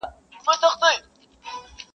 نقادان پرې اوږد بحث کوي ډېر,